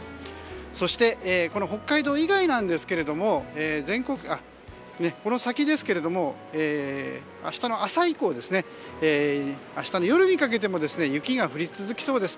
そして、北海道以外のこの先ですけれども明日の朝以降、夜にかけても雪が降り続きそうです。